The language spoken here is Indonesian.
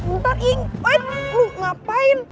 bentar ih woi lu ngapain